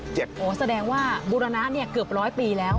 โอ้โฮแสดงว่าบูรณะนี่เกือบ๑๐๐ปีแล้ว